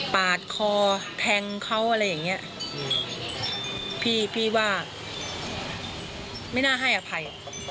ปาดคอแทงเขาอะไรอย่างเงี้ยพี่พี่ว่าไม่น่าให้อภัย